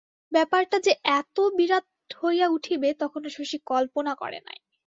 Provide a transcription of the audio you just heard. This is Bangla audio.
ব্যাপারটা যে এত বিরাট হইয়া উঠিবে তখনো শশী কল্পনা করে নাই।